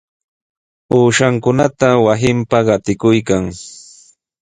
Uushankunata wasinpa qatikuykan.